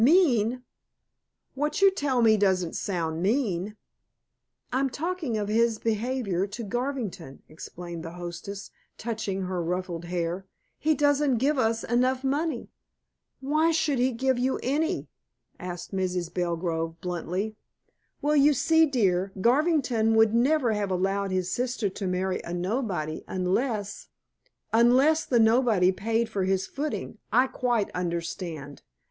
"Mean? What you tell me doesn't sound mean." "I'm talking of his behavior to Garvington," explained the hostess, touching her ruffled hair, "he doesn't give us enough money." "Why should he give you any?" asked Mrs. Belgrove bluntly. "Well, you see, dear, Garvington would never have allowed his sister to marry a nobody, unless " "Unless the nobody paid for his footing. I quite understand.